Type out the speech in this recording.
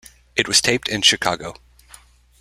It was taped in Chicago.